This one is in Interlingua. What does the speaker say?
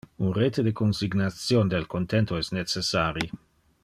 Un rete de consignation del contento es necessari.